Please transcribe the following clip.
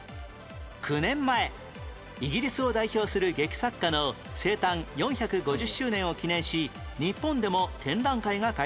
９年前イギリスを代表する劇作家の生誕４５０周年を記念し日本でも展覧会が開催